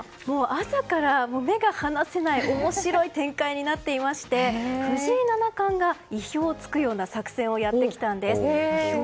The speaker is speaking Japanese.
朝から目が離せない面白い展開になっていまして藤井七冠が意表を突くような作戦をやってきたんです。